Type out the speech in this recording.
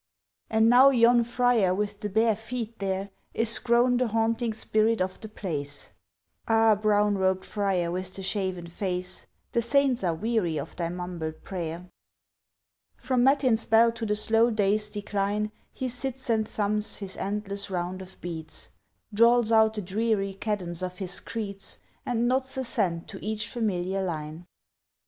And now yon friar with the bare feet there, Is grown the haunting spirit of the place; Ah! brown robed friar with the shaven face, The saints are weary of thy mumbled prayer. From matins' bell to the slow day's decline He sits and thumbs his endless round of beads, Drawls out the dreary cadence of his creeds And nods assent to each familiar line.